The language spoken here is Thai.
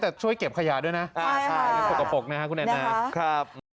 แต่ช่วยเก็บขยะด้วยนะคุณอันน่าโปรดกระโปรกนะครับ